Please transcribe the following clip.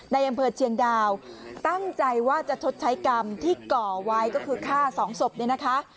ในอำเภอเชียงดาวตั้งใจว่าจะชดใช้กรรมที่ก่อไว้ก็คือฆ่าสองศพเนี่ยนะคะ